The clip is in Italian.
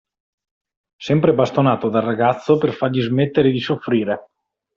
Sempre bastonato dal ragazzo per fargli smettere di soffrire.